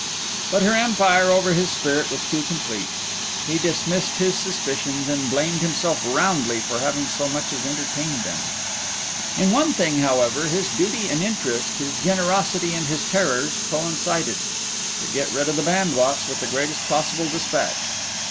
But her empire over his spirit was too complete, he dismissed his suspicions, and blamed himself roundly for having so much as entertained them. In one thing, however, his duty and interest, his generosity and his terrors, coincided—to get rid of the bandbox with the greatest possible despatch.